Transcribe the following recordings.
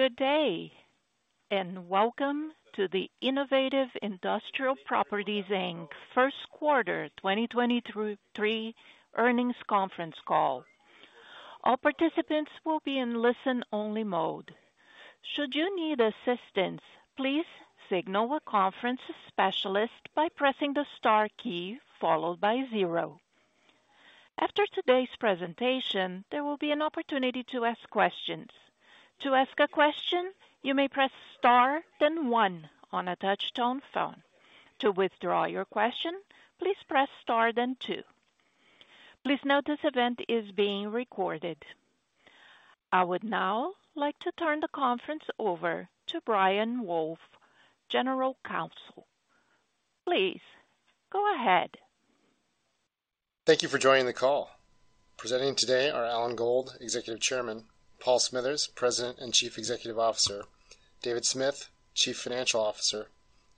Good day, welcome to the Innovative Industrial Properties Inc. Q1 2023 earnings conference call. All participants will be in listen-only mode. Should you need assistance, please signal a conference specialist by pressing the star key followed by zero. After today's presentation, there will be an opportunity to ask questions. To ask a question, you may press star then one on a touch-tone phone. To withdraw your question, please press star then two. Please note this event is being recorded. I would now like to turn the conference over to Brian Wolfe, General Counsel. Please go ahead. Thank you for joining the call. Presenting today are Alan Gold, Executive Chairman, Paul Smithers, President and Chief Executive Officer, David Smith, Chief Financial Officer,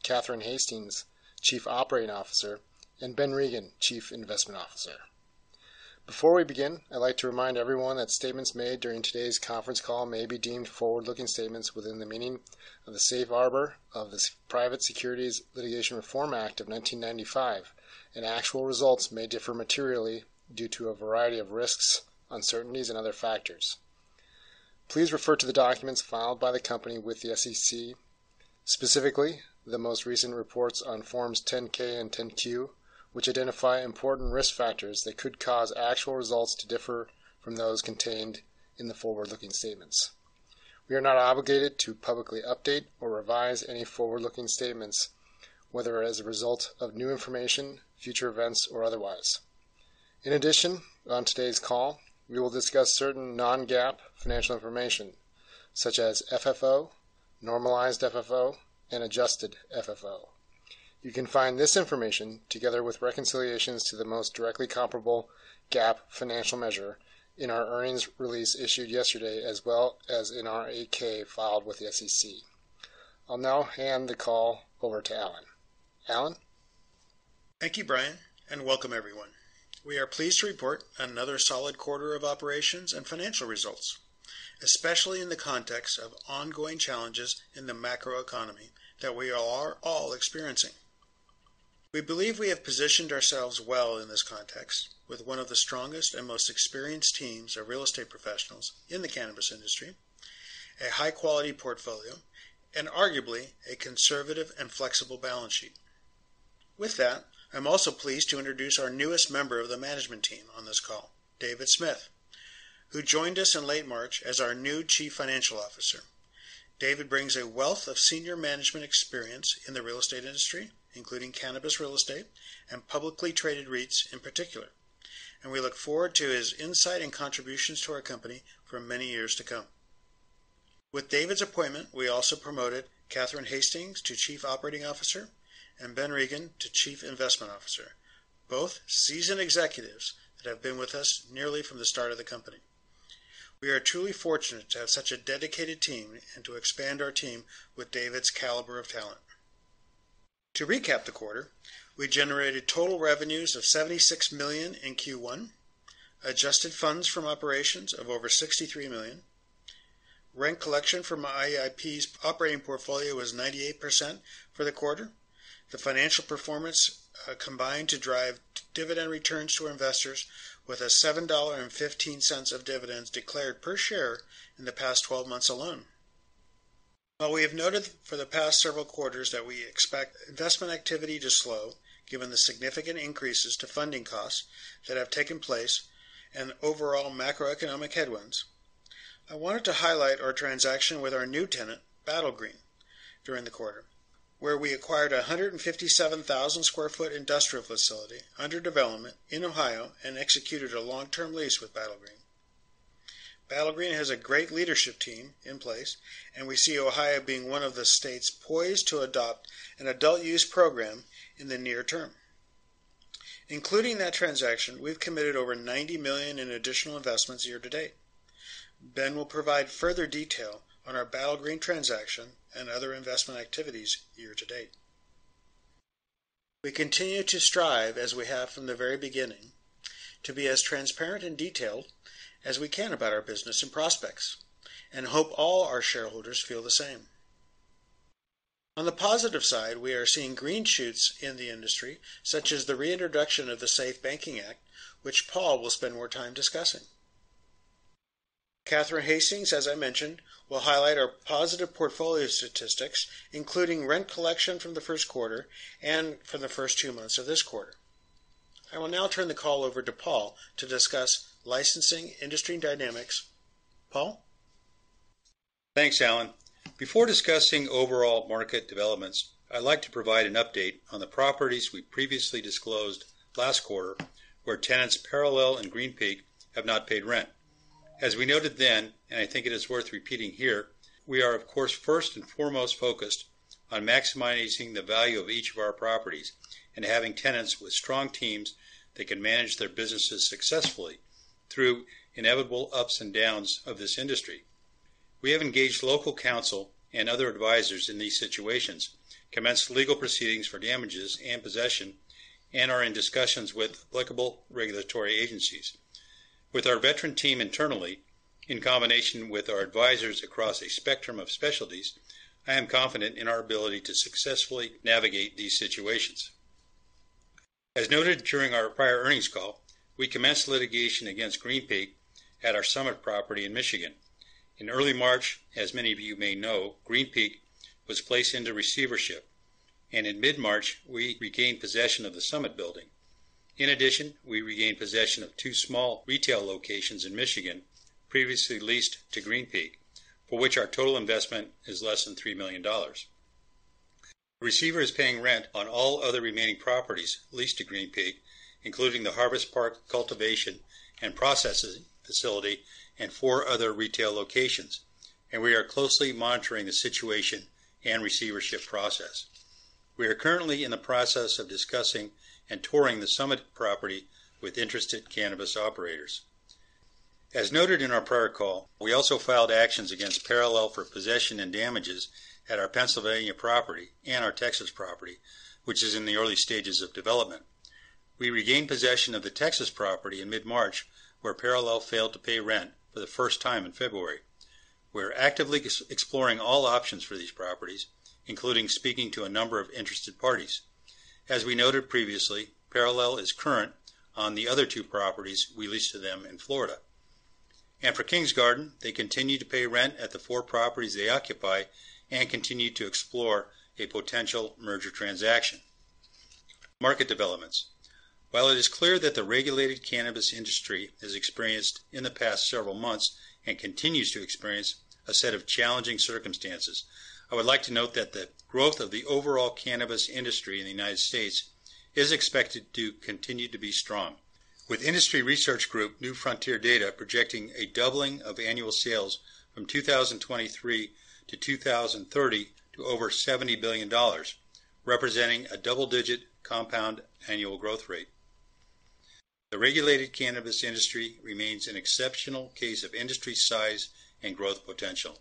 Catherine Hastings, Chief Operating Officer, and Ben Regin, Chief Investment Officer. Before we begin, I'd like to remind everyone that statements made during today's conference call may be deemed forward-looking statements within the meaning of the Safe Harbor of the Private Securities Litigation Reform Act of 1995. Actual results may differ materially due to a variety of risks, uncertainties, and other factors. Please refer to the documents filed by the company with the SEC, specifically the most recent reports on Forms 10-K and 10-Q, which identify important risk factors that could cause actual results to differ from those contained in the forward-looking statements. We are not obligated to publicly update or revise any forward-looking statements, whether as a result of new information, future events, or otherwise. In addition, on today's call, we will discuss certain non-GAAP financial information, such as FFO, normalized FFO, and adjusted FFO. You can find this information, together with reconciliations to the most directly comparable GAAP financial measure, in our earnings release issued yesterday as well as in our 8-K filed with the SEC. I'll now hand the call over to Alan. Alan? Thank you, Brian, and welcome everyone. We are pleased to report another solid quarter of operations and financial results, especially in the context of ongoing challenges in the macroeconomy that we are all experiencing. We believe we have positioned ourselves well in this context with one of the strongest and most experienced teams of real estate professionals in the cannabis industry, a high-quality portfolio, and arguably a conservative and flexible balance sheet. With that, I'm also pleased to introduce our newest member of the management team on this call, David Smith, who joined us in late March as our new Chief Financial Officer. David brings a wealth of senior management experience in the real estate industry, including cannabis real estate, and publicly traded REITs in particular. We look forward to his insight and contributions to our company for many years to come. With David's appointment, we also promoted Catherine Hastings to Chief Operating Officer and Ben Regin to Chief Investment Officer, both seasoned executives that have been with us nearly from the start of the company. We are truly fortunate to have such a dedicated team and to expand our team with David's caliber of talent. To recap the quarter, we generated total revenues of $76 million in Q1, adjusted funds from operations of over $63 million. Rent collection from IIP's operating portfolio was 98% for the quarter. The financial performance combined to drive dividend returns to our investors with a $7.15 of dividends declared per share in the past 12 months alone. While we have noted for the past several quarters that we expect investment activity to slow, given the significant increases to funding costs that have taken place and overall macroeconomic headwinds, I wanted to highlight our transaction with our new tenant, Battle Green, during the quarter, where we acquired a 157,000 sq ft industrial facility under development in Ohio and executed a long-term lease with Battle Green. Battle Green has a great leadership team in place. We see Ohio being one of the states poised to adopt an adult use program in the near term. Including that transaction, we've committed over $90 million in additional investments year-to-date. Ben will provide further detail on our Battle Green transaction and other investment activities year-to-date. We continue to strive, as we have from the very beginning, to be as transparent and detailed as we can about our business and prospects, and hope all our shareholders feel the same. On the positive side, we are seeing green shoots in the industry, such as the reintroduction of the SAFE Banking Act, which Paul will spend more time discussing. Catherine Hastings, as I mentioned, will highlight our positive portfolio statistics, including rent collection from the Q1 and from the first two months of this quarter. I will now turn the call over to Paul to discuss licensing industry dynamics. Paul? Thanks, Alan. Before discussing overall market developments, I'd like to provide an update on the properties we previously disclosed last quarter where tenants Parallel and Green Peak have not paid rent. As we noted then, and I think it is worth repeating here, we are of course first and foremost focused on maximizing the value of each of our properties and having tenants with strong teams that can manage their businesses successfully through inevitable ups and downs of this industry. We have engaged local counsel and other advisors in these situations, commenced legal proceedings for damages and possession, and are in discussions with applicable regulatory agencies. With our veteran team internally, in combination with our advisors across a spectrum of specialties, I am confident in our ability to successfully navigate these situations. As noted during our prior earnings call, we commenced litigation against Green Peak at our Summit property in Michigan. In early March, as many of you may know, Green Peak was placed into receivership. In mid-March, we regained possession of the Summit building. In addition, we regained possession of two small retail locations in Michigan previously leased to Green Peak, for which our total investment is less than $3 million. Receiver is paying rent on all other remaining properties leased to Green Peak, including the Harvest Park cultivation and processing facility and four other retail locations. We are closely monitoring the situation and receivership process. We are currently in the process of discussing and touring the Summit property with interested cannabis operators. As noted in our prior call, we also filed actions against Parallel for possession and damages at our Pennsylvania property and our Texas property, which is in the early stages of development. We regained possession of the Texas property in mid-March, where Parallel failed to pay rent for the first time in February. We're actively exploring all options for these properties, including speaking to a number of interested parties. As we noted previously, Parallel is current on the other two properties we leased to them in Florida. For Kings Garden, they continue to pay rent at the four properties they occupy and continue to explore a potential merger transaction. Market developments. While it is clear that the regulated cannabis industry has experienced in the past several months and continues to experience a set of challenging circumstances, I would like to note that the growth of the overall cannabis industry in the United States is expected to continue to be strong. With industry research group, New Frontier Data, projecting a doubling of annual sales from 2023 to 2030 to over $70 billion, representing a double-digit compound annual growth rate. The regulated cannabis industry remains an exceptional case of industry size and growth potential.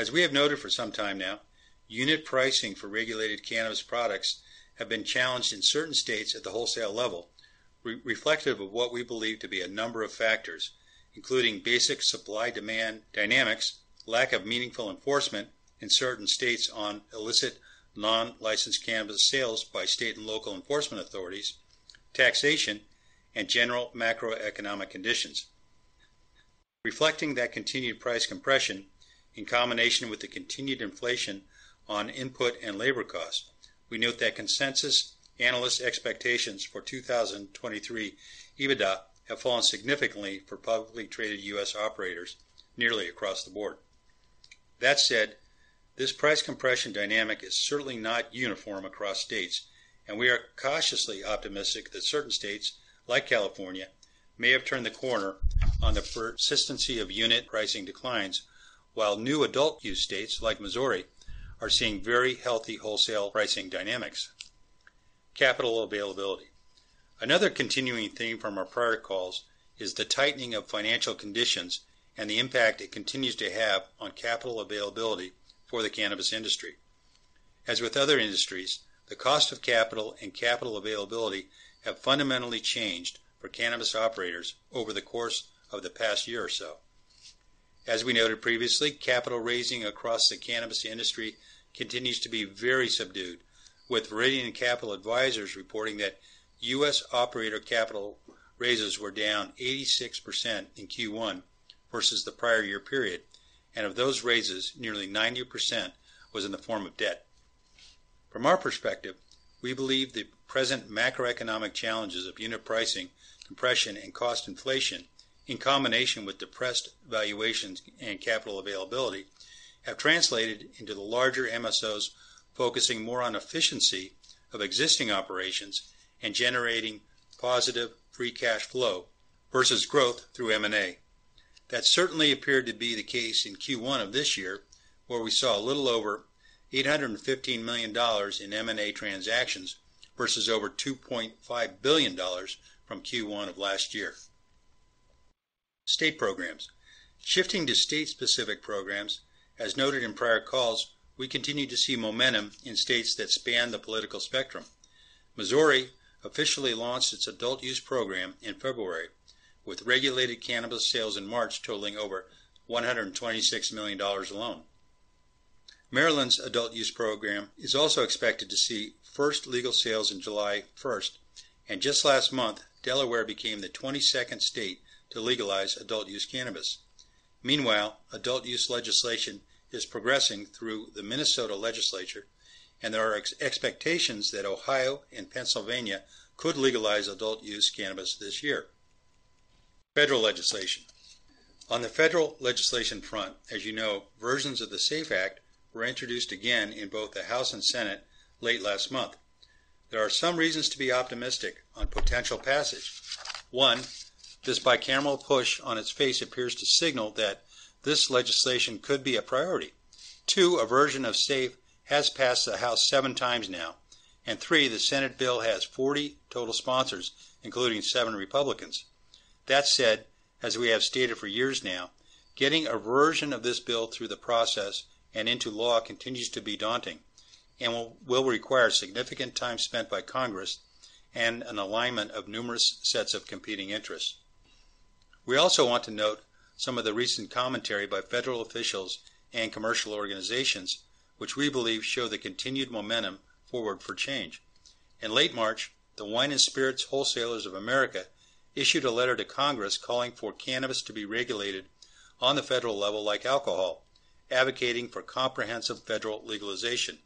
As we have noted for some time now, unit pricing for regulated cannabis products have been challenged in certain states at the wholesale level, reflective of what we believe to be a number of factors, including basic supply-demand dynamics, lack of meaningful enforcement in certain states on illicit non-licensed cannabis sales by state and local enforcement authorities, taxation, and general macroeconomic conditions. Reflecting that continued price compression in combination with the continued inflation on input and labor costs, we note that consensus analyst expectations for 2023 EBITDA have fallen significantly for publicly traded U.S. operators nearly across the board. That said, this price compression dynamic is certainly not uniform across states, and we are cautiously optimistic that certain states, like California, may have turned the corner on the persistency of unit pricing declines, while new adult use states, like Missouri, are seeing very healthy wholesale pricing dynamics. Capital availability. Another continuing theme from our prior calls is the tightening of financial conditions and the impact it continues to have on capital availability for the cannabis industry. As with other industries, the cost of capital and capital availability have fundamentally changed for cannabis operators over the course of the past year or so. As we noted previously, capital raising across the cannabis industry continues to be very subdued, with Viridian Capital Advisors reporting that US operator capital raises were down 86% in Q1 versus the prior year period. Of those raises, nearly 90% was in the form of debt. From our perspective, we believe the present macroeconomic challenges of unit pricing, compression, and cost inflation, in combination with depressed valuations and capital availability, have translated into the larger MSOs focusing more on efficiency of existing operations and generating positive free cash flow versus growth through M&A. That certainly appeared to be the case in Q1 of this year, where we saw a little over $815 million in M&A transactions versus over $2.5 billion from Q1 of last year. State programs. As noted in prior calls, we continue to see momentum in states that span the political spectrum. Missouri officially launched its adult use program in February, with regulated cannabis sales in March totaling over $126 million alone. Maryland's adult use program is also expected to see first legal sales in July 1st, just last month, Delaware became the 22nd state to legalize adult use cannabis. Meanwhile, adult use legislation is progressing through the Minnesota legislature, there are expectations that Ohio and Pennsylvania could legalize adult use cannabis this year. Federal legislation. On the federal legislation front, as you know, versions of the SAFE Act were introduced again in both the House and Senate late last month. There are some reasons to be optimistic on potential passage. One, this bicameral push on its face appears to signal that this legislation could be a priority. Two, a version of SAFE has passed the House seven times now. Three, the Senate bill has 40 total sponsors, including seven Republicans. That said. As we have stated for years now, getting a version of this bill through the process and into law continues to be daunting and will require significant time spent by Congress and an alignment of numerous sets of competing interests. We also want to note some of the recent commentary by federal officials and commercial organizations which we believe show the continued momentum forward for change. In late March, the Wine & Spirits Wholesalers of America issued a letter to Congress calling for cannabis to be regulated on the federal level like alcohol, advocating for comprehensive federal legalization.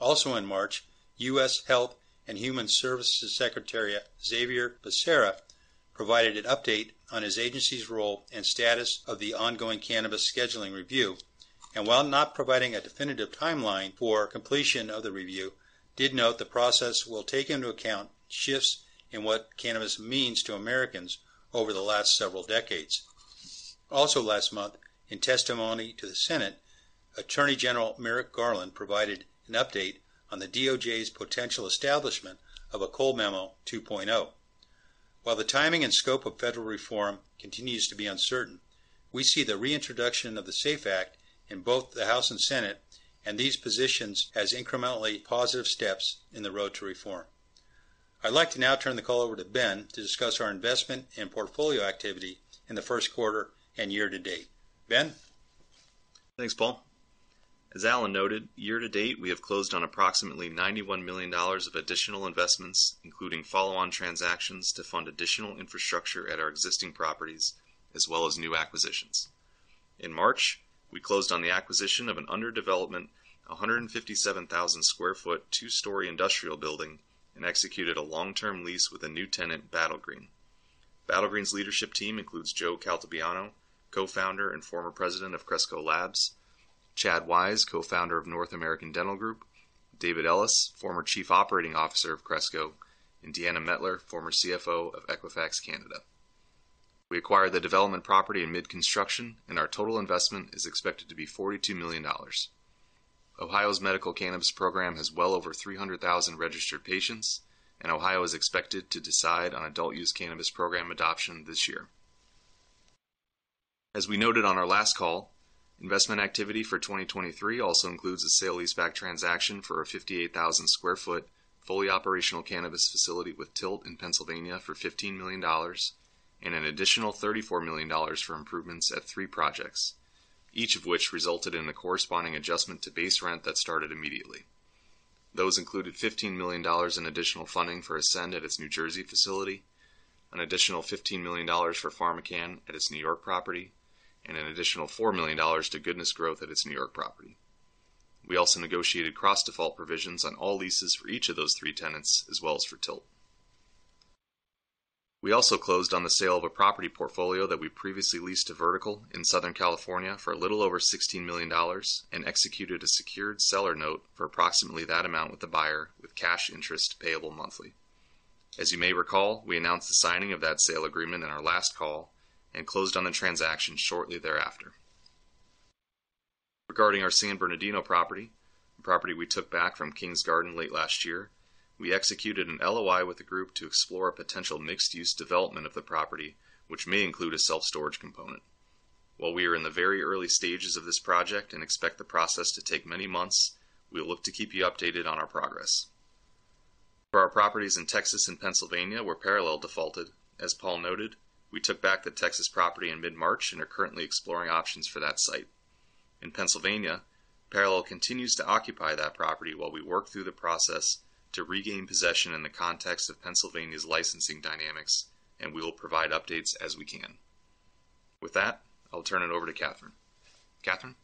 Also in March, U.S. Department of Health and Human Services Secretary Xavier Becerra provided an update on his agency's role and status of the ongoing cannabis scheduling review. While not providing a definitive timeline for completion of the review, did note the process will take into account shifts in what cannabis means to Americans over the last several decades. Last month, in testimony to the Senate, Attorney General Merrick Garland provided an update on the DOJ's potential establishment of a Cole Memo 2.0. While the timing and scope of federal reform continues to be uncertain, we see the reintroduction of the SAFE Act in both the House and Senate, and these positions as incrementally positive steps in the road to reform. I'd like to now turn the call over to Ben to discuss our investment and portfolio activity in the Q1 and year to date. Ben? Thanks, Paul. As Alan noted, year to date, we have closed on approximately $91 million of additional investments, including follow-on transactions to fund additional infrastructure at our existing properties as well as new acquisitions. In March, we closed on the acquisition of an under development, 157,000 sq ft, two-story industrial building and executed a long-term lease with a new tenant, Battle Green. Battle Green's leadership team includes Joe Caltabiano, Co-founder and former President of Cresco Labs, Chad Wise, Co-founder of North American Dental Group, David Ellis, former Chief Operating Officer of Cresco, and Deanna Mettler, former CFO of Equifax Canada. We acquired the development property in mid-construction, and our total investment is expected to be $42 million. Ohio's medical cannabis program has well over 300,000 registered patients, and Ohio is expected to decide on adult use cannabis program adoption this year. As we noted on our last call, investment activity for 2023 also includes a sale-leaseback transaction for a 58,000 sq ft, fully operational cannabis facility with Tilt in Pennsylvania for $15 million and an additional $34 million for improvements at three projects, each of which resulted in a corresponding adjustment to base rent that started immediately. Those included $15 million in additional funding for Ascend at its New Jersey facility, an additional $15 million for PharmaCann at its New York property, and an additional $4 million to Goodness Growth at its New York property. We also negotiated cross-default provisions on all leases for each of those three tenants as well as for Tilt. We also closed on the sale of a property portfolio that we previously leased to Vertical in Southern California for a little over $16 million and executed a secured seller note for approximately that amount with the buyer with cash interest payable monthly. As you may recall, we announced the signing of that sale agreement in our last call and closed on the transaction shortly thereafter. Regarding our San Bernardino property, the property we took back from Kings Garden late last year, we executed an LOI with a group to explore a potential mixed-use development of the property, which may include a self-storage component. While we are in the very early stages of this project and expect the process to take many months, we look to keep you updated on our progress. For our properties in Texas and Pennsylvania were Parallel defaulted, as Paul noted, we took back the Texas property in mid-March and are currently exploring options for that site. In Pennsylvania, Parallel continues to occupy that property while we work through the process to regain possession in the context of Pennsylvania's licensing dynamics. We will provide updates as we can. With that, I'll turn it over to Catherine. Catherine?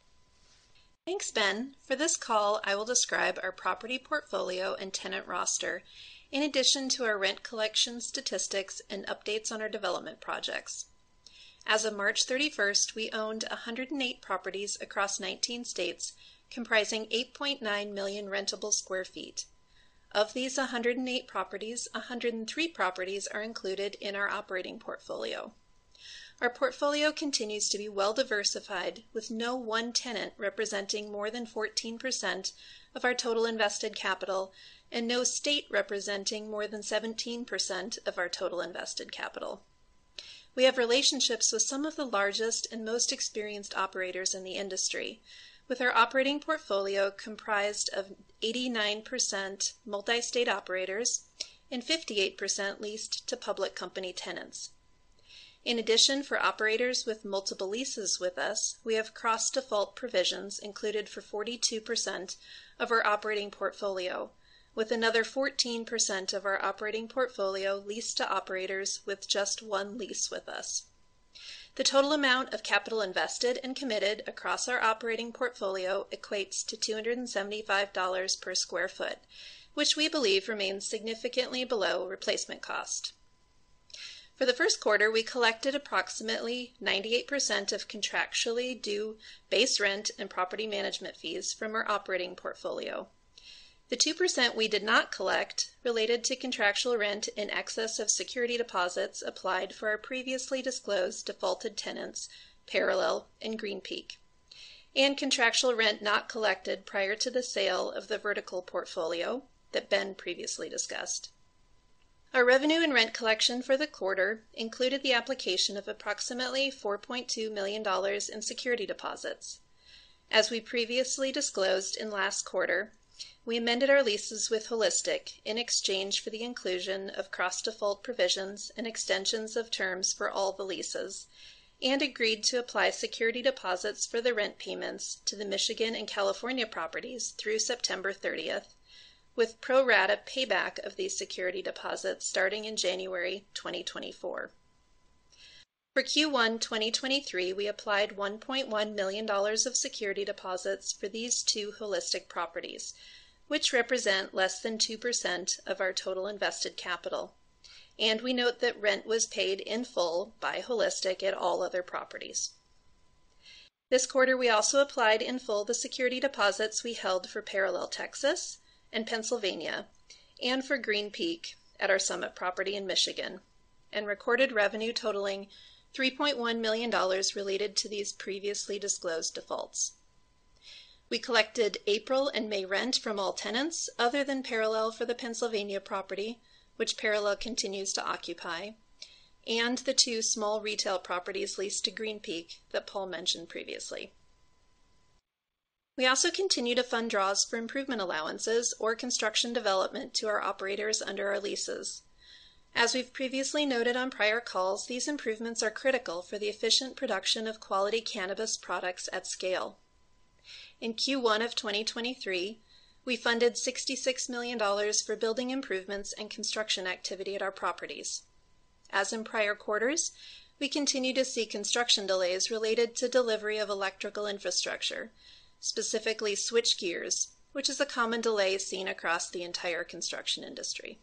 Thanks, Ben. For this call, I will describe our property portfolio and tenant roster in addition to our rent collection statistics and updates on our development projects. As of March 31st, I owned 108 properties across 19 states comprising 8.9 million rentable sq ft. Of these 108 properties, 103 properties are included in our operating portfolio. Our portfolio continues to be well diversified, with no one tenant representing more than 14% of our total invested capital and no state representing more than 17% of our total invested capital. We have relationships with some of the largest and most experienced operators in the industry, with our operating portfolio comprised of 89% multi-state operators and 58% leased to public company tenants. In addition, for operators with multiple leases with us, we have cross-default provisions included for 42% of our operating portfolio, with another 14% of our operating portfolio leased to operators with just one lease with us. The total amount of capital invested and committed across our operating portfolio equates to $275 per sq ft, which we believe remains significantly below replacement cost. For the Q1, we collected approximately 98% of contractually due base rent and property management fees from our operating portfolio. The 2% we did not collect related to contractual rent in excess of security deposits applied for our previously disclosed defaulted tenants, Parallel and Green Peak. Contractual rent not collected prior to the sale of the Vertical portfolio that Ben previously discussed. Our revenue and rent collection for the quarter included the application of approximately $4.2 million in security deposits. As we previously disclosed in last quarter, we amended our leases with Holistic in exchange for the inclusion of cross-default provisions and extensions of terms for all the leases. We agreed to apply security deposits for the rent payments to the Michigan and California properties through September 30th, with pro rata payback of these security deposits starting in January 2024. For Q1 2023, we applied $1.1 million of security deposits for these two Holistic properties, which represent less than 2% of our total invested capital. We note that rent was paid in full by Holistic at all other properties. This quarter, we also applied in full the security deposits we held for Parallel Texas and Pennsylvania and for Green Peak at our Summit property in Michigan and recorded revenue totaling $3.1 million related to these previously disclosed defaults. We collected April and May rent from all tenants other than Parallel for the Pennsylvania property, which Parallel continues to occupy, and the two small retail properties leased to Green Peak that Paul mentioned previously. We also continue to fund draws for improvement allowances or construction development to our operators under our leases. As we've previously noted on prior calls, these improvements are critical for the efficient production of quality cannabis products at scale. In Q1 of 2023, we funded $66 million for building improvements and construction activity at our properties. As in prior quarters, we continue to see construction delays related to delivery of electrical infrastructure, specifically switch gears, which is a common delay seen across the entire construction industry.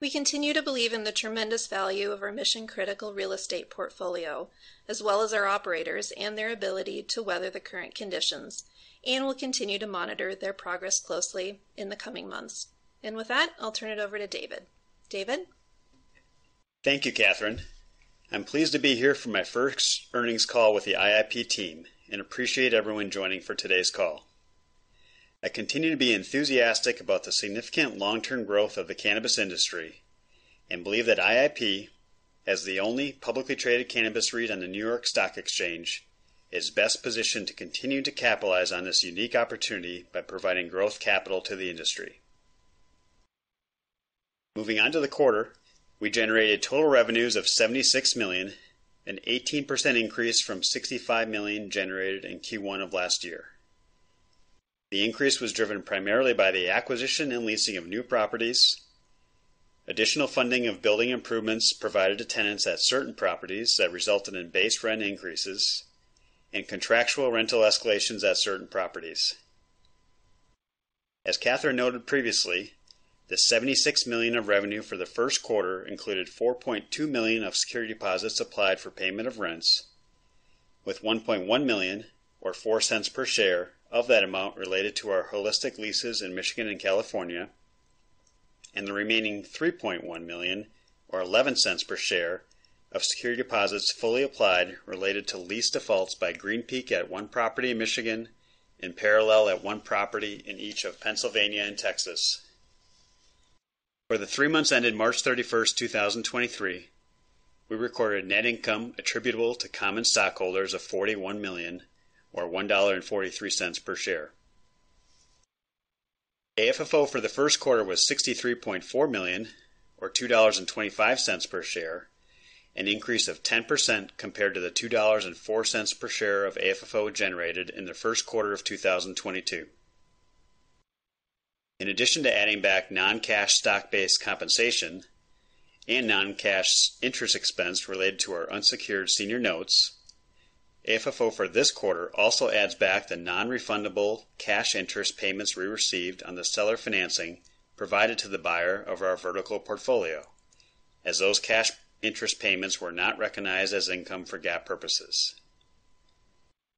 We continue to believe in the tremendous value of our mission-critical real estate portfolio, as well as our operators and their ability to weather the current conditions. We'll continue to monitor their progress closely in the coming months. With that, I'll turn it over to David. David? Thank you, Catherine. I'm pleased to be here for my first earnings call with the IIP team and appreciate everyone joining for today's call. I continue to be enthusiastic about the significant long-term growth of the cannabis industry and believe that IIP, as the only publicly traded cannabis REIT on the New York Stock Exchange, is best positioned to continue to capitalize on this unique opportunity by providing growth capital to the industry. Moving on to the quarter, we generated total revenues of $76 million, an 18% increase from $65 million generated in Q1 of last year. The increase was driven primarily by the acquisition and leasing of new properties, additional funding of building improvements provided to tenants at certain properties that resulted in base rent increases, and contractual rental escalations at certain properties. As Catherine noted previously, the $76 million of revenue for the Q1 included $4.2 million of security deposits applied for payment of rents, with $1.1 million or $0.04 per share of that amount related to our Holistic leases in Michigan and California, and the remaining $3.1 million or $0.11 per share of security deposits fully applied related to lease defaults by Green Peak at one property in Michigan and Parallel at one property in each of Pennsylvania and Texas. For the three months ended March 31, 2023, we recorded net income attributable to common stockholders of $41 million or $1.43 per share. AFFO for the Q1 was $63.4 million or $2.25 per share, an increase of 10% compared to the $2.04 per share of AFFO generated in the Q1 of 2022. In addition to adding back non-cash stock-based compensation and non-cash interest expense related to our unsecured senior notes, AFFO for this quarter also adds back the non-refundable cash interest payments we received on the seller financing provided to the buyer of our Vertical portfolio, as those cash interest payments were not recognized as income for GAAP purposes.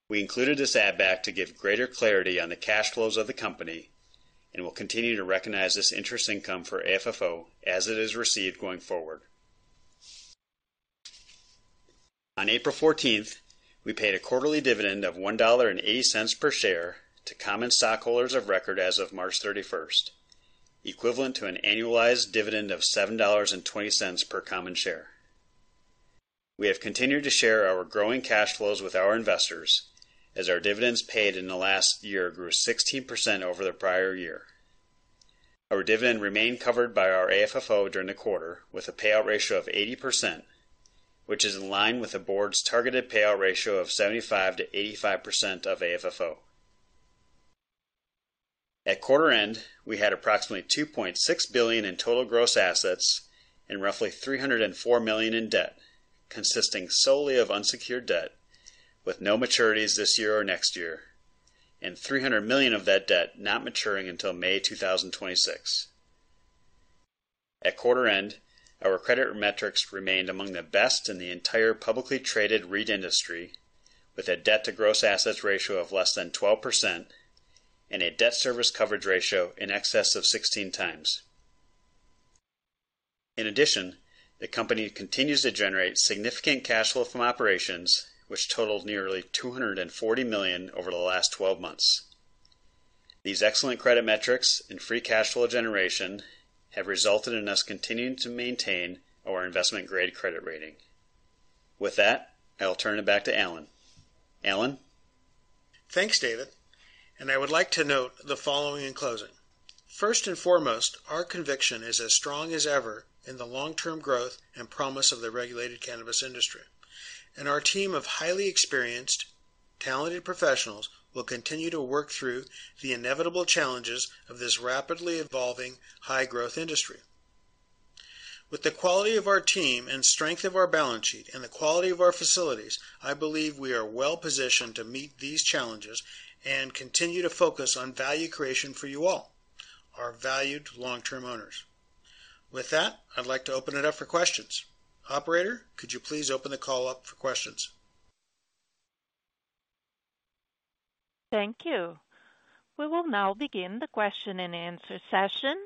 We included this add back to give greater clarity on the cash flows of the company and will continue to recognize this interest income for AFFO as it is received going forward. On April 14th, we paid a quarterly dividend of $1.80 per share to common stockholders of record as of March 31st, equivalent to an annualized dividend of $7.20 per common share. We have continued to share our growing cash flows with our investors as our dividends paid in the last year grew 16% over the prior year. Our dividend remained covered by our AFFO during the quarter with a payout ratio of 80%, which is in line with the Board's targeted payout ratio of 75%-85% of AFFO. At quarter end, we had approximately $2.6 billion in total gross assets and roughly $304 million in debt, consisting solely of unsecured debt with no maturities this year or next year, and $300 million of that debt not maturing until May 2026. At quarter end, our credit metrics remained among the best in the entire publicly traded REIT industry, with a debt to gross assets ratio of less than 12% and a debt service coverage ratio in excess of 16 times. In addition, the company continues to generate significant cash flow from operations, which totaled nearly $240 million over the last 12 months. These excellent credit metrics and free cash flow generation have resulted in us continuing to maintain our investment-grade credit rating. With that, I will turn it back to Alan. Alan. Thanks, David. I would like to note the following in closing. First and foremost, our conviction is as strong as ever in the long-term growth and promise of the regulated cannabis industry. Our team of highly experienced, talented professionals will continue to work through the inevitable challenges of this rapidly evolving high-growth industry. With the quality of our team and strength of our balance sheet and the quality of our facilities, I believe we are well-positioned to meet these challenges and continue to focus on value creation for you all, our valued long-term owners. With that, I'd like to open it up for questions. Operator, could you please open the call up for questions? Thank you. We will now begin the question-and-answer session.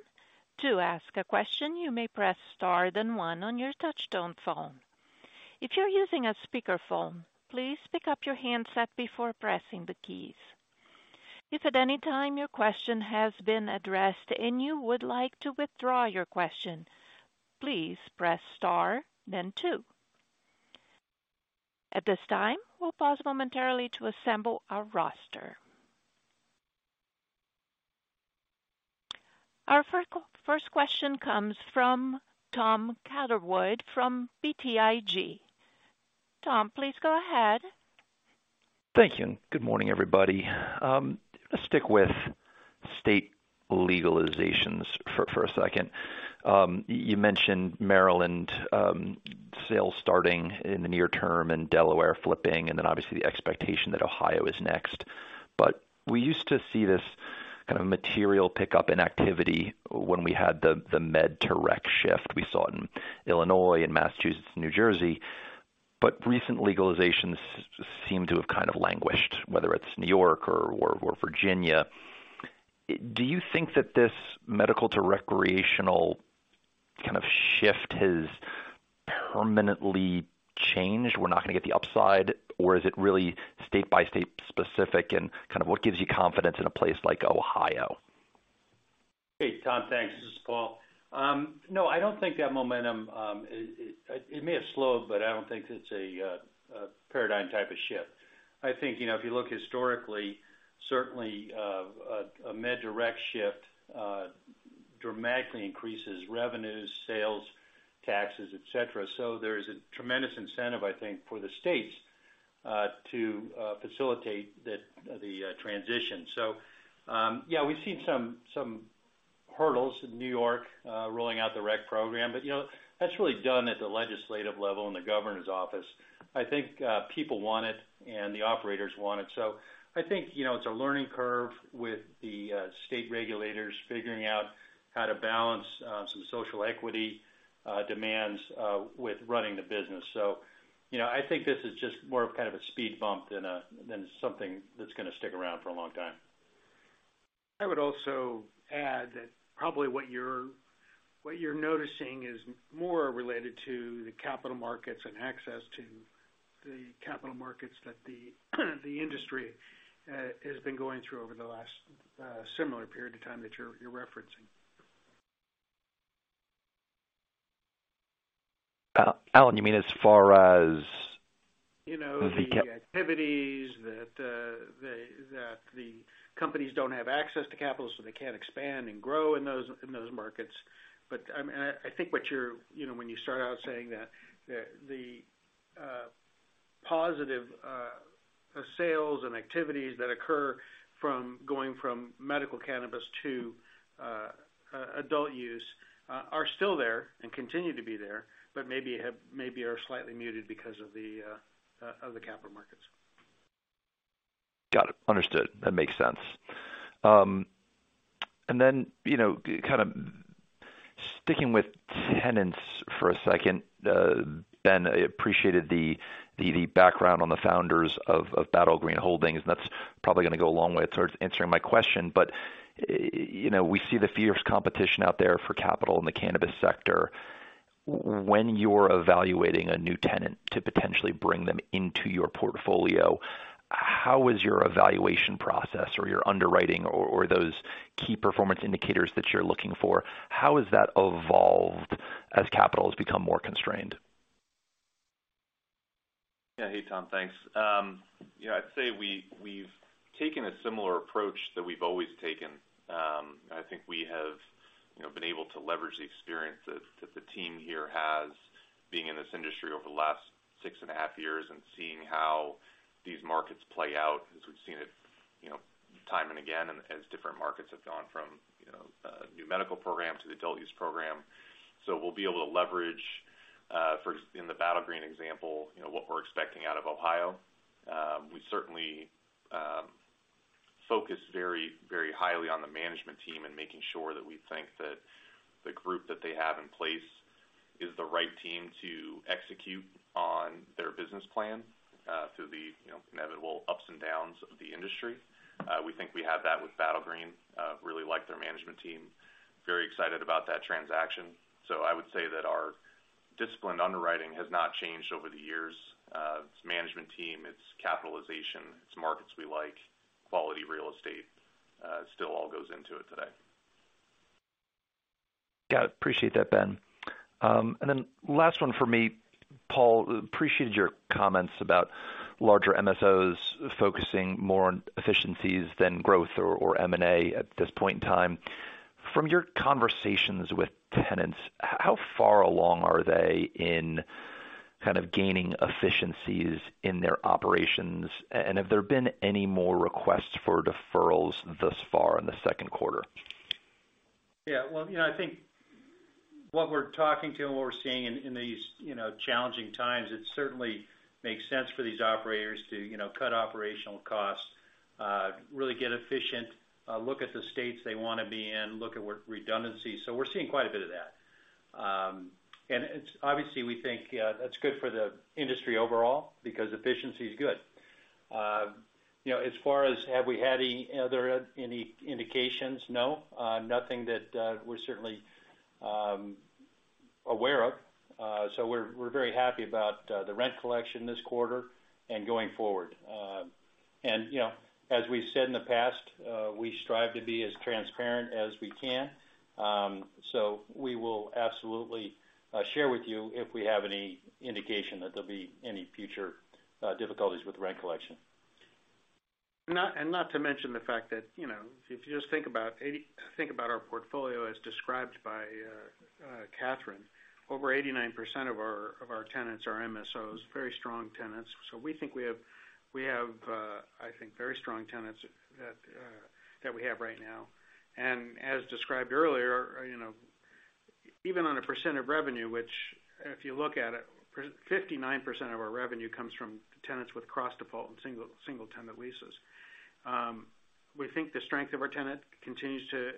To ask a question, you may press Star then one on your touchtone phone. If you're using a speakerphone, please pick up your handset before pressing the keys. If at any time your question has been addressed and you would like to withdraw your question, please press Star then two. At this time, we'll pause momentarily to assemble our roster. Our first question comes from Tom Catherwood from BTIG. Tom, please go ahead. Thank you. Good morning, everybody. Let's stick with state legalizations for a second. You mentioned Maryland, sales starting in the near term and Delaware flipping and then obviously the expectation that Ohio is next. We used to see this kind of material pickup in activity when we had the med-to-rec shift we saw in Illinois and Massachusetts and New Jersey. Recent legalizations seem to have kind of languished, whether it's New York or Virginia. Do you think that this medical to recreational kind of shift has permanently changed? We're not gonna get the upside, or is it really state by state specific and kind of what gives you confidence in a place like Ohio? Hey, Tom. Thanks. This is Paul. No, I don't think that momentum, it may have slowed, but I don't think it's a paradigm type of shift. I think, you know, if you look historically, certainly, a med-to-rec shift dramatically increases revenues, sales, taxes, et cetera. There is a tremendous incentive, I think, for the states to facilitate the transition. Yeah, we've seen some hurdles in New York rolling out the rec program, but, you know, that's really done at the legislative level in the governor's office. I think people want it and the operators want it. I think, you know, it's a learning curve with the state regulators figuring out how to balance some social equity demands with running the business. You know, I think this is just more of kind of a speed bump than something that's gonna stick around for a long time. I would also add that probably what you're noticing is more related to the capital markets and access to the capital markets that the industry has been going through over the last similar period of time that you're referencing. Alan, you mean? You know, the activities that the companies don't have access to capital, so they can't expand and grow in those, in those markets. I mean, I think what you're. You know, when you start out saying that the positive sales and activities that occur from going from medical cannabis to adult use are still there and continue to be there, but maybe are slightly muted because of the capital markets. Got it. Understood. That makes sense. Then, you know, kind of sticking with tenants for a second, Ben, I appreciated the background on the founders of Battle Green Holdings, and that's probably gonna go a long way towards answering my question. You know, we see the fierce competition out there for capital in the cannabis sector. When you're evaluating a new tenant to potentially bring them into your portfolio, how is your evaluation process or your underwriting or those key performance indicators that you're looking for, how has that evolved as capital has become more constrained? Yeah. Hey, Tom. Thanks. you know, I'd say we've taken a similar approach that we've always taken. I think we have, you know, been able to leverage the experience that the team here has, being in this industry over the last six and a half years and seeing how these markets play out, as we've seen it, you know, time and again, as different markets have gone from, you know, new medical program to the adult use program. We'll be able to leverage, for, in the Battle Green example, you know, what we're expecting out of Ohio. We certainly focus very, very highly on the management team and making sure that we think that the group that they have in place is the right team to execute on their business plan, through the, you know, inevitable ups and downs of the industry. We think we have that with Battle Green, really like their management team, very excited about that transaction. I would say that our disciplined underwriting has not changed over the years. Its management team, its capitalization, its markets we like, quality real estate, still all goes into it today. Yeah, appreciate that, Ben. Last one for me, Paul, appreciated your comments about larger MSOs focusing more on efficiencies than growth or M&A at this point in time. From your conversations with tenants, how far along are they in kind of gaining efficiencies in their operations? Have there been any more requests for deferrals thus far in the Q2? you know, I think what we're talking to and what we're seeing in these, you know, challenging times, it certainly makes sense for these operators to, you know, cut operational costs, really get efficient, look at the states they wanna be in, look at redundancy. We're seeing quite a bit of that. Obviously, we think that's good for the industry overall because efficiency is good. you know, as far as have we had any indications? No. Nothing that we're certainly aware of. We're very happy about the rent collection this quarter and going forward. you know, as we said in the past, we strive to be as transparent as we can. We will absolutely share with you if we have any indication that there'll be any future difficulties with rent collection. Not to mention the fact that, you know, if you just think about our portfolio as described by Catherine, over 89% of our tenants are MSOs, very strong tenants. We think we have, I think, very strong tenants that we have right now. As described earlier, you know, even on a percent of revenue, which if you look at it, 59% of our revenue comes from tenants with cross-default and single tenant leases. We think the strength of our tenant continues to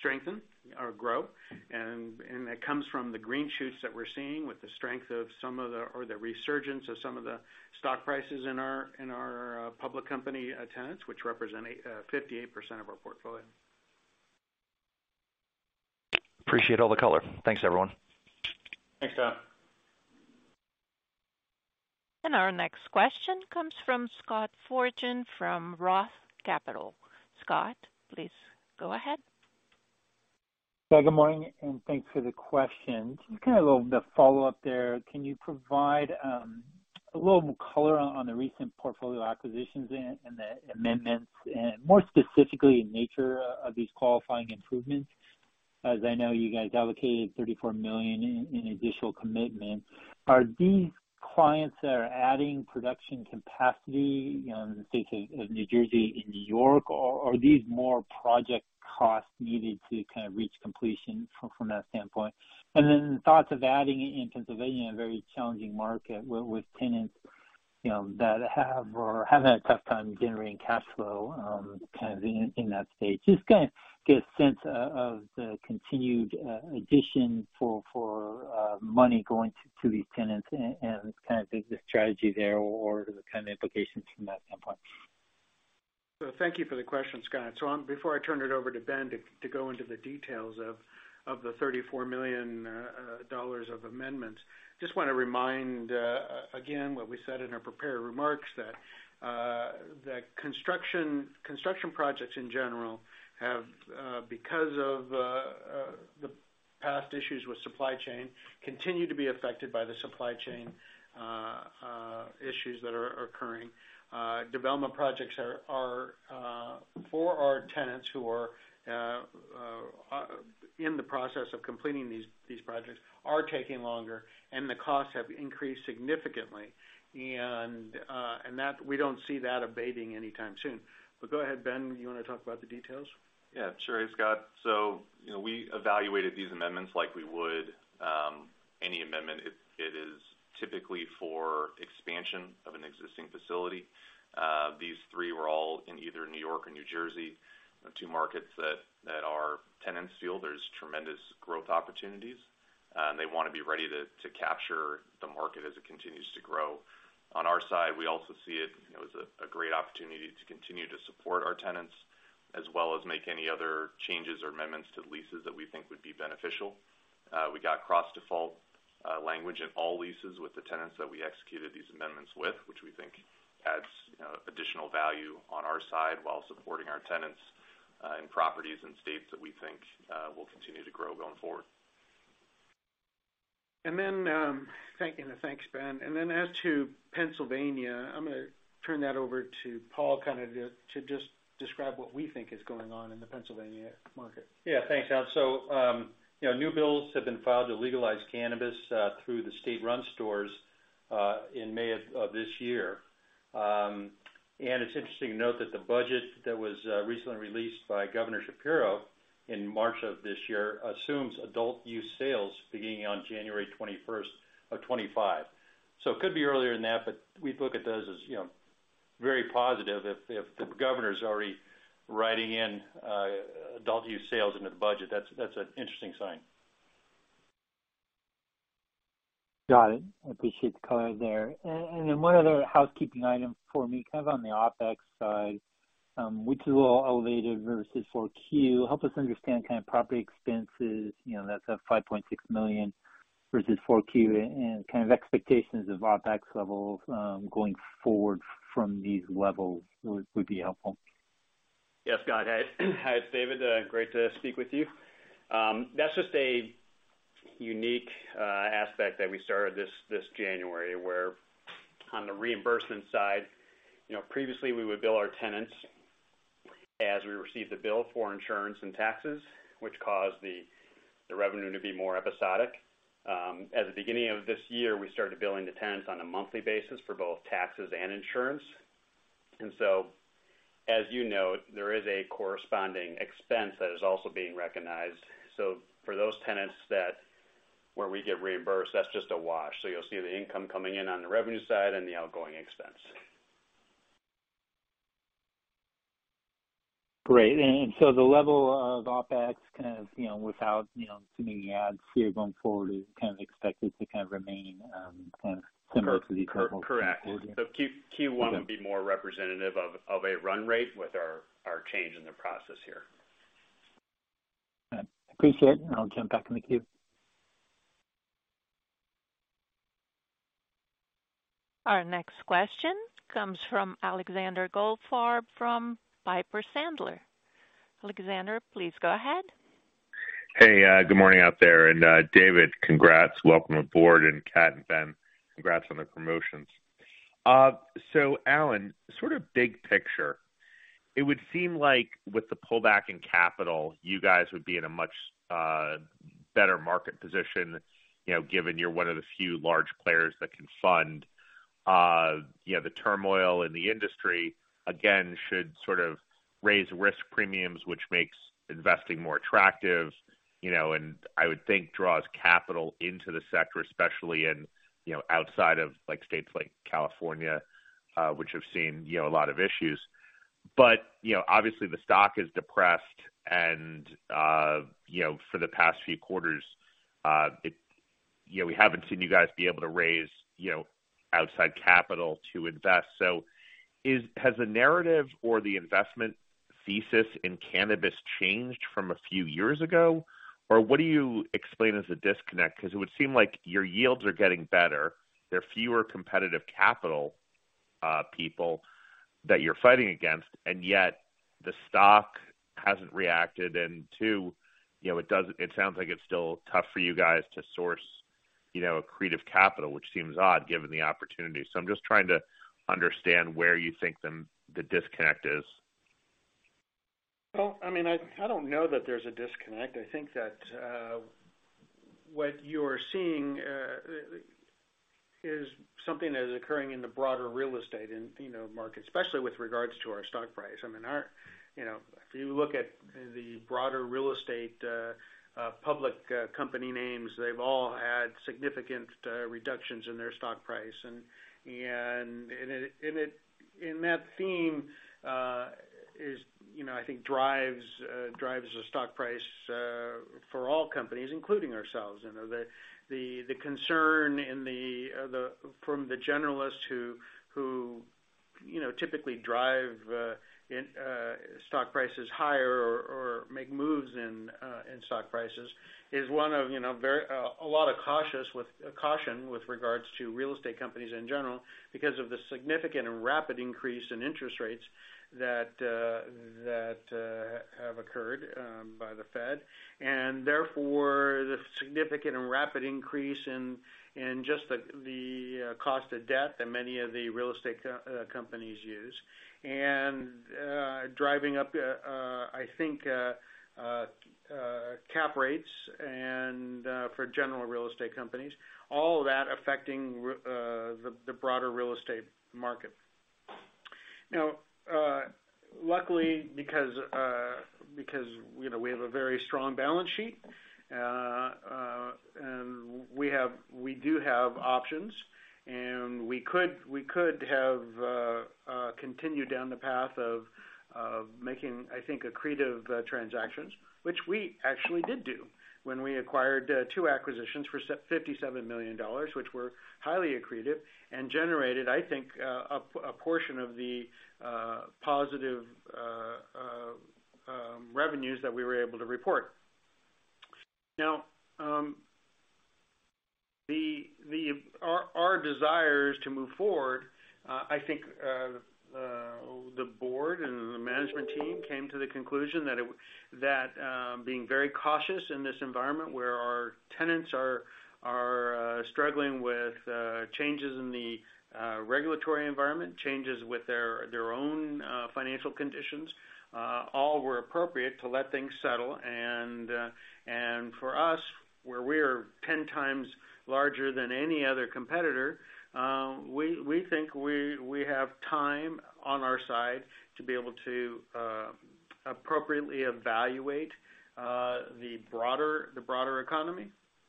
strengthen or grow. That comes from the green shoots that we're seeing with the strength of the resurgence of some of the stock prices in our, in our public company tenants, which represent 58% of our portfolio. Appreciate all the color. Thanks, everyone. Thanks, Tom. Our next question comes from Scott Fortune from Roth Capital. Scott, please go ahead. Good morning, and thanks for the questions. Just kind of a little bit of follow-up there. Can you provide a little more color on the recent portfolio acquisitions and the amendments, and more specifically, the nature of these qualifying improvements? As I know, you guys allocated $34 million in additional commitment. Are these clients that are adding production capacity, you know, in the state of New Jersey and New York, or are these more project costs needed to kind of reach completion from that standpoint? Thoughts of adding in Pennsylvania, a very challenging market with tenants, you know, that have or are having a tough time generating cash flow, kind of in that state. Just kinda get a sense of the continued addition for money going to these tenants and kind of the strategy there or the kind of implications from that standpoint. Thank you for the question, Scott. Before I turn it over to Ben to go into the details of the $34 million of amendments, just wanna remind again what we said in our prepared remarks that construction projects in general have because of the past issues with supply chain, continue to be affected by the supply chain issues that are occurring. Development projects are for our tenants who are in the process of completing these projects are taking longer and the costs have increased significantly. We don't see that abating anytime soon. Go ahead, Ben, you wanna talk about the details? Yeah, sure. Hey, Scott. You know, we evaluated these amendments like we would any amendment. It is typically for expansion of an existing facility. These three were all in either New York or New Jersey, two markets that our tenants feel there's tremendous growth opportunities, and they wanna be ready to capture the market as it continues to grow. On our side, we also see it, you know, as a great opportunity to continue to support our tenants as well as make any other changes or amendments to leases that we think would be beneficial. We got cross-default language in all leases with the tenants that we executed these amendments with, which we think adds, you know, additional value on our side while supporting our tenants in properties and states that we think will continue to grow going forward. Thank you, and thanks, Ben. As to Pennsylvania, I'm gonna turn that over to Paul kind of to just describe what we think is going on in the Pennsylvania market. Yeah. Thanks, Alan. You know, new bills have been filed to legalize cannabis through the state-run stores in May of this year. It's interesting to note that the budget that was recently released by Governor Shapiro in March of this year assumes adult use sales beginning on January 21st of 2025. It could be earlier than that, but we'd look at those as, you know- Very positive if the governor's already writing in adult use sales into the budget. That's an interesting sign. Got it. Appreciate the color there. Then one other housekeeping item for me, kind of on the OpEx side, which is a little elevated versus Q4. Help us understand kind of property expenses, you know, that's a $5.6 million versus Q4 and kind of expectations of OpEx levels going forward from these levels would be helpful. Yes. Got it. Hi, it's David, great to speak with you. That's just a unique aspect that we started this January, where on the reimbursement side, you know, previously we would bill our tenants as we received the bill for insurance and taxes, which caused the revenue to be more episodic. At the beginning of this year, we started billing the tenants on a monthly basis for both taxes and insurance. As you note, there is a corresponding expense that is also being recognized. For those tenants that where we get reimbursed, that's just a wash. You'll see the income coming in on the revenue side and the outgoing expense. Great. The level of OpEx kind of, you know, without, you know, too many adds here going forward, is kind of expected to kind of remain, kind of similar to these levels going forward, yeah? Correct. Q1 would be more representative of a run rate with our change in the process here. All right. Appreciate it, and I'll jump back in the queue. Our next question comes from Alexander Goldfarb, from Piper Sandler. Alexander, please go ahead. Hey, good morning out there. David, congrats. Welcome aboard. Kat and Ben, congrats on the promotions. Alan Gold, sort of big picture, it would seem like with the pullback in capital, you guys would be in a much better market position, you know, given you're one of the few large players that can fund, you know, the turmoil in the industry, again, should sort of raise risk premiums, which makes investing more attractive, you know, and I would think draws capital into the sector, especially in, you know, outside of like states like California, which have seen, you know, a lot of issues. You know, obviously the stock is depressed and, you know, for the past few quarters, you know, we haven't seen you guys be able to raise, you know, outside capital to invest. Has the narrative or the investment thesis in cannabis changed from a few years ago? What do you explain as a disconnect? Cause it would seem like your yields are getting better. There are fewer competitive capital, people that you're fighting against, and yet the stock hasn't reacted. Two, you know, it sounds like it's still tough for you guys to source, you know, accretive capital, which seems odd given the opportunity. I'm just trying to understand where you think the disconnect is. Well, I mean, I don't know that there's a disconnect. I think that what you're seeing is something that is occurring in the broader real estate and, you know, market, especially with regards to our stock price. I mean, our. You know, if you look at the broader real estate public company names, they've all had significant reductions in their stock price. That theme is, you know, I think drives the stock price for all companies, including ourselves. You know, the concern from the generalists who, you know, typically drive stock prices higher or make moves in stock prices is one of, you know, a lot of caution with regards to real estate companies in general because of the significant and rapid increase in interest rates that have occurred by the Fed, and therefore the significant and rapid increase in just the cost of debt that many of the real estate companies use. Driving up, I think, cap rates for general real estate companies, all of that affecting the broader real estate market. You know, luckily because, you know, we have a very strong balance sheet, and we do have options, and we could have continued down the path of making, I think, accretive transactions, which we actually did do when we acquired two acquisitions for $57 million, which were highly accretive and generated, I think, a portion of the positive revenues that we were able to report. Now, Our desire is to move forward. I think the board and the management team came to the conclusion that being very cautious in this environment where our tenants are struggling with changes in the regulatory environment, changes with their own financial conditions, all were appropriate to let things settle. For us, where we are 10 times larger than any other competitor, we think we have time on our side to be able to appropriately evaluate the broader economy,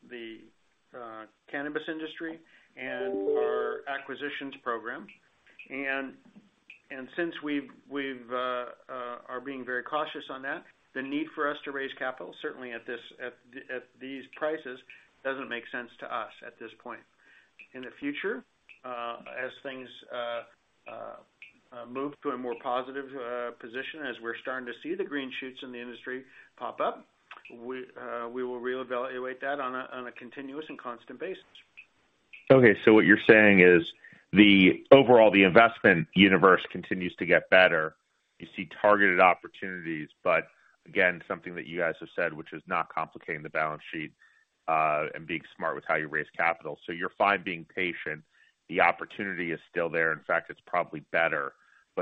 the Cannabis industry and our acquisitions program. Since we are being very cautious on that, the need for us to raise capital, certainly at these prices, doesn't make sense to us at this point. In the future, as things move to a more positive position, as we're starting to see the green shoots in the industry pop up, we will reevaluate that on a continuous and constant basis. Okay. What you're saying is Overall, the investment universe continues to get better. You see targeted opportunities, but again, something that you guys have said, which is not complicating the balance sheet, and being smart with how you raise capital. You're fine being patient. The opportunity is still there. In fact, it's probably better.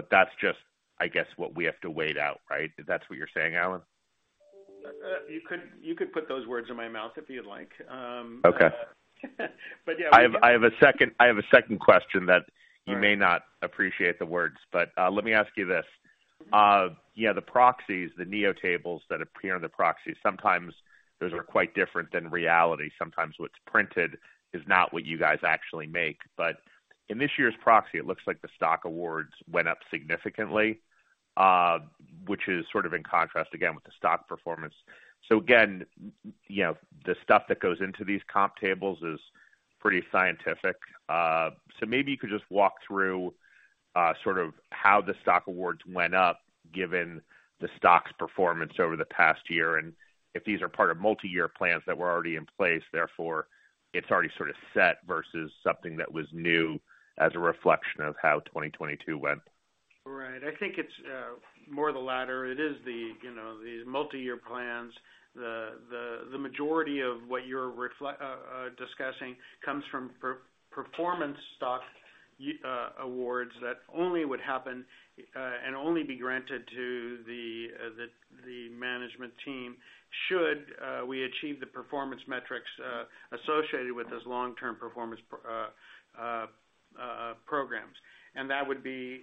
That's just, I guess, what we have to wait out, right? If that's what you're saying, Alan? You could put those words in my mouth if you'd like. Okay. But yeah- I have a second question. All right.... you may not appreciate the words, but, let me ask you this. Yeah, the proxies, the NEO tables that appear on the proxies, sometimes those are quite different than reality. Sometimes what's printed is not what you guys actually make. In this year's proxy, it looks like the stock awards went up significantly, which is sort of in contrast again with the stock performance. Again, you know, the stuff that goes into these comp tables is pretty scientific. Maybe you could just walk through, sort of how the stock awards went up given the stock's performance over the past year, and if these are part of multi-year plans that were already in place, therefore it's already sort of set versus something that was new as a reflection of how 2022 went. Right. I think it's more the latter. It is the, you know, these multi-year plans. The majority of what you're discussing comes from performance stock awards that only would happen and only be granted to the management team should we achieve the performance metrics associated with those long-term performance programs. That would be,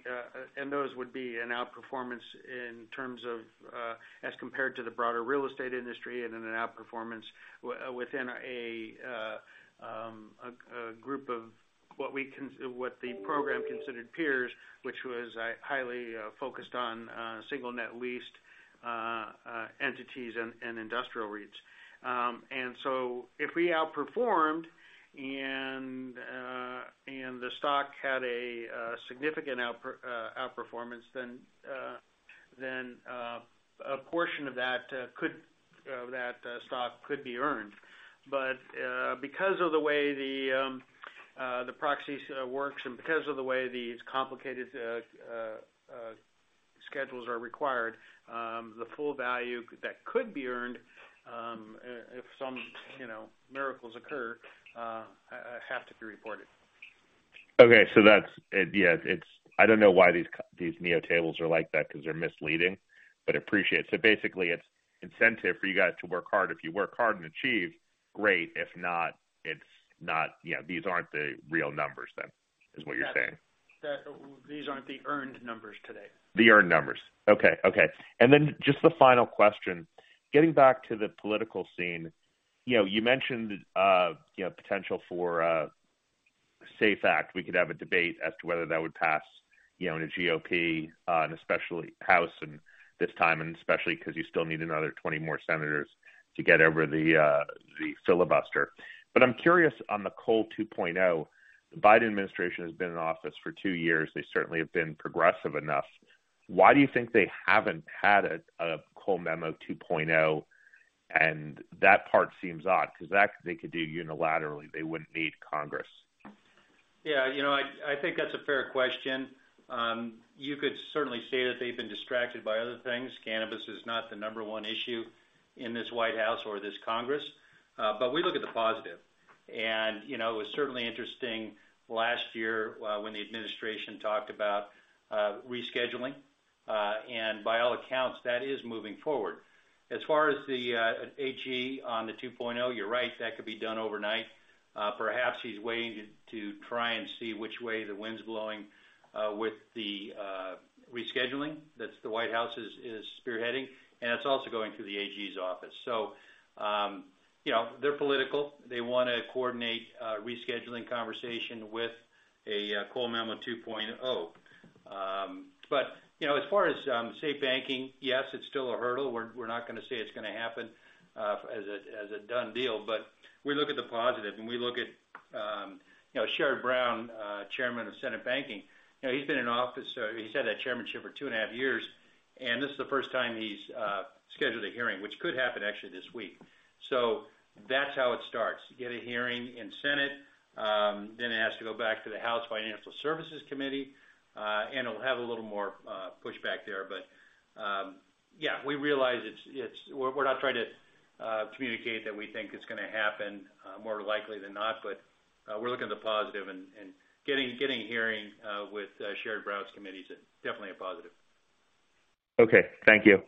and those would be an outperformance in terms of as compared to the broader real estate industry and an outperformance within a group of what the program considered peers, which was highly focused on single net leased entities and industrial REITs. If we outperformed and the stock had a significant outperformance, then a portion of that could that stock could be earned. Because of the way the proxies works and because of the way these complicated schedules are required, the full value that could be earned, if some, you know, miracles occur, have to be reported. Okay. Yeah, I don't know why these NEO tables are like that because they're misleading, but appreciate it. Basically, it's incentive for you guys to work hard. If you work hard and achieve, great. If not, you know, these aren't the real numbers then, is what you're saying. These aren't the earned numbers today. The earned numbers. Okay. Okay. Just the final question, getting back to the political scene. You know, you mentioned, you know, potential for SAFE Act. We could have a debate as to whether that would pass, you know, in a GOP, in especially House this time, and especially because you still need another 20 more senators to get over the filibuster. I'm curious on the Cole 2.0, the Biden administration has been in office for two years. They certainly have been progressive enough. Why do you think they haven't had a Cole Memo 2.0? That part seems odd because that they could do unilaterally. They wouldn't need Congress. Yeah. You know, I think that's a fair question. You could certainly say that they've been distracted by other things. Cannabis is not the number 1 issue in this White House or this Congress. We look at the positive. You know, it was certainly interesting last year when the administration talked about rescheduling. By all accounts, that is moving forward. As far as the AG on the 2.0, you're right, that could be done overnight. Perhaps he's waiting to try and see which way the wind's blowing, with the rescheduling that the White House is spearheading, and it's also going through the AG's office. You know, they're political. They wanna coordinate a rescheduling conversation with a Cole Memo 2.0. You know, as far as SAFE Banking, yes, it's still a hurdle. We're not gonna say it's gonna happen as a done deal, but we look at the positive and we look at, you know, Sherrod Brown, Chairman of Senate Banking, you know, he's been in office, he's had that chairmanship for two and a half years, and this is the first time he's scheduled a hearing, which could happen actually this week. That's how it starts. You get a hearing in Senate, then it has to go back to the House Financial Services Committee, and it'll have a little more pushback there. Yeah, we realize it's, We're not trying to communicate that we think it's gonna happen more likely than not, but we're looking at the positive and getting a hearing with Sherrod Brown's Committee is definitely a positive. Okay. Thank you.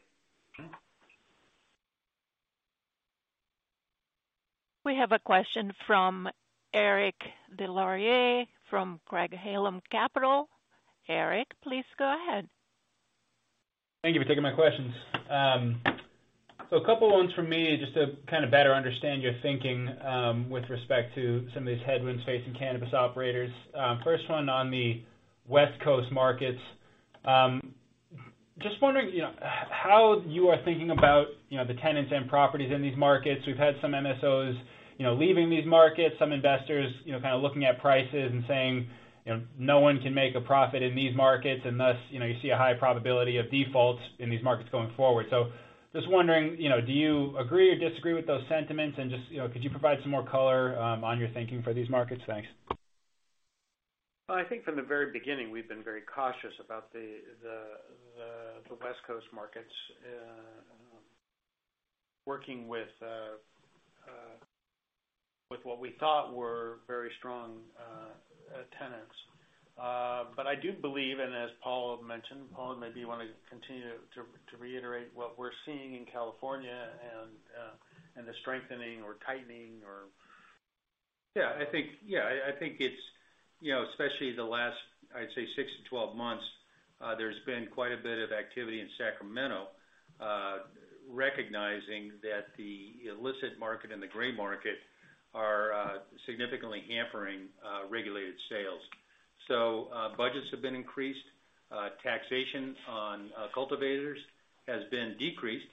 Mm-hmm. We have a question from Eric Des Lauriers from Craig-Hallum Capital. Eric, please go ahead. Thank you for taking my questions. A couple of ones from me just to kind of better understand your thinking with respect to some of these headwinds facing cannabis operators. First one on the West Coast markets. Just wondering, you know, how you are thinking about, you know, the tenants and properties in these markets. We've had some MSOs, you know, leaving these markets, some investors, you know, kind of looking at prices and saying, you know, no one can make a profit in these markets, and thus, you know, you see a high probability of defaults in these markets going forward. Just wondering, you know, do you agree or disagree with those sentiments? Just, you know, could you provide some more color on your thinking for these markets? Thanks. Well, I think from the very beginning, we've been very cautious about the West Coast markets, working with what we thought were very strong tenants. I do believe, and as Paul mentioned, Paul, maybe you want to continue to reiterate what we're seeing in California and the strengthening or tightening or... Yeah, I think, yeah, I think it's, you know, especially the last, I'd say six to 12 months, there's been quite a bit of activity in Sacramento, recognizing that the illicit market and the gray market are significantly hampering regulated sales. Budgets have been increased. Taxation on cultivators has been decreased.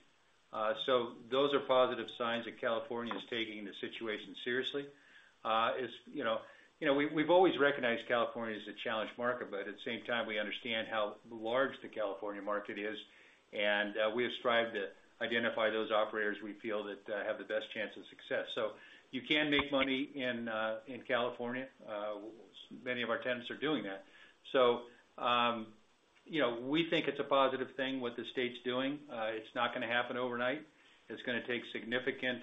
Those are positive signs that California is taking the situation seriously. It's, you know. You know, we've always recognized California as a challenged market, but at the same time, we understand how large the California market is, and we have strived to identify those operators we feel that have the best chance of success. You can make money in California. Many of our tenants are doing that. You know, we think it's a positive thing what the state's doing. It's not gonna happen overnight. It's gonna take significant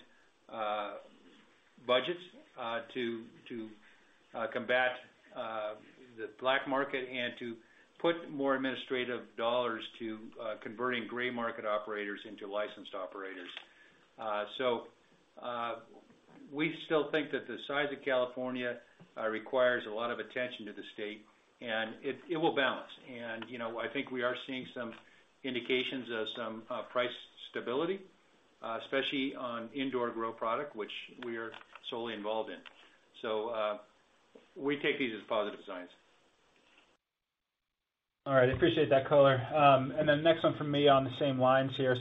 budgets to combat the black market and to put more administrative dollars to converting gray market operators into licensed operators. We still think that the size of California requires a lot of attention to the state, and it will balance. You know, I think we are seeing some indications of some price stability, especially on indoor grow product, which we are solely involved in. We take these as positive signs. All right. Appreciate that color. Then next one from me on the same lines here.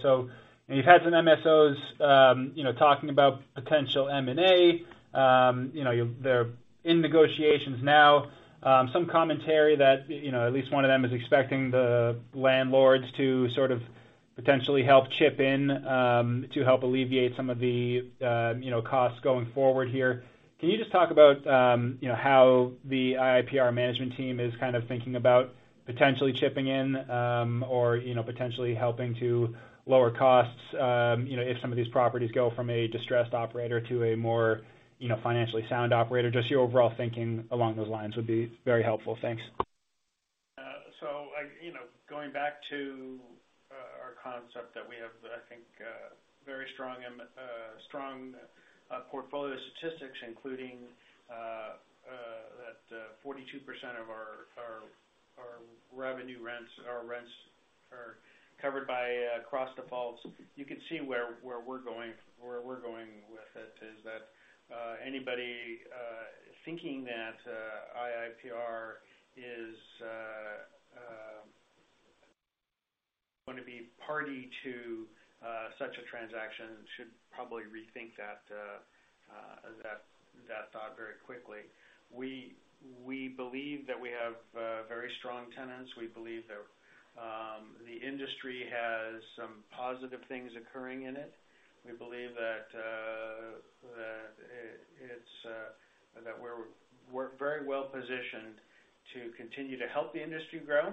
You've had some MSOs, you know, talking about potential M&A. You know, they're in negotiations now. Some commentary that, you know, at least one of them is expecting the landlords to sort of potentially help chip in, to help alleviate some of the, you know, costs going forward here. Can you just talk about, you know, how the IIPR management team is kind of thinking about potentially chipping in, or, you know, potentially helping to lower costs, you know, if some of these properties go from a distressed operator to a more, you know, financially sound operator? Just your overall thinking along those lines would be very helpful. Thanks. Like, you know, going back to our concept that we have, I think, very strong and strong portfolio statistics, including that 42% of our revenue rents or rents are covered by cross defaults, you can see where we're going with it, is that anybody thinking that IIPR is gonna be party to such a transaction should probably rethink that thought very quickly. We believe that we have very strong tenants. We believe that the industry has some positive things occurring in it. We believe that it's that we're very well positioned to continue to help the industry grow.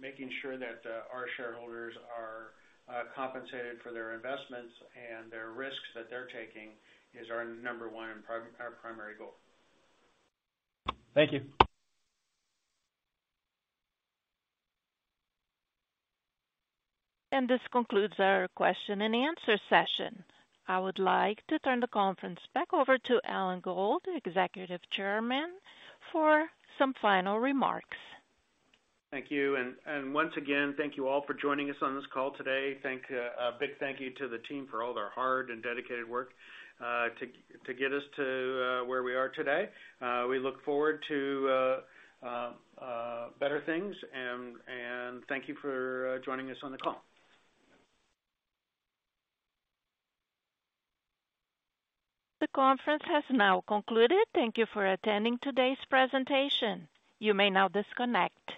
Making sure that our shareholders are compensated for their investments and their risks that they're taking is our number 1 and our primary goal. Thank you. This concludes our question and answer session. I would like to turn the conference back over to Alan Gold, Executive Chairman, for some final remarks. Thank you. Once again, thank you all for joining us on this call today. A big thank you to the team for all their hard and dedicated work to get us to where we are today. We look forward to better things and thank you for joining us on the call. The conference has now concluded. Thank you for attending today's presentation. You may now disconnect.